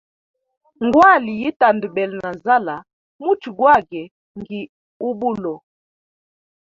Ngwali yi tandabele na nzala, muchwe gwagwe ngi ubulo.